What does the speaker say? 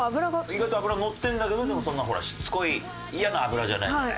意外と脂のってるんだけどでもそんなほらしつこい嫌な脂じゃないじゃない。